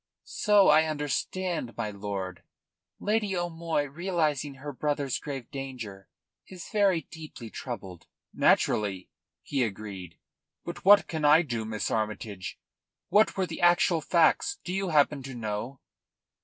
"So I understand, my lord. Lady O'Moy, realising her brother's grave danger, is very deeply troubled." "Naturally," he agreed. "But what can I do, Miss Armytage? What were the actual facts, do you happen to know?"